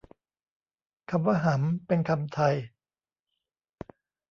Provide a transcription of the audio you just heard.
คำว่า หำ เป็นคำไท